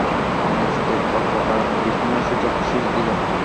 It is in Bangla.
ম্যাজিস্ট্রেট একপ্রকার বিস্ময়সূচক শিস দিলেন।